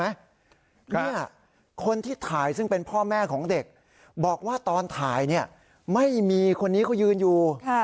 เนี่ยคนที่ถ่ายซึ่งเป็นพ่อแม่ของเด็กบอกว่าตอนถ่ายเนี่ยไม่มีคนนี้เขายืนอยู่